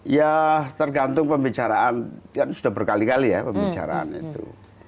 ya tergantung pembicaraan kan sudah berkali kali ya pembicaraan itu